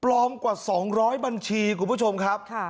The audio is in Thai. ปลอมกว่าสองร้อยบัญชีคุณผู้ชมครับค่ะ